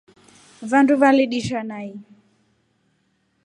Vandu validisha nai.